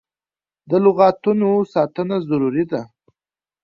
د لغتانو ساتنه ضروري ده.